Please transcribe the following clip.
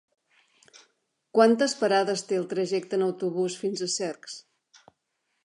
Quantes parades té el trajecte en autobús fins a Cercs?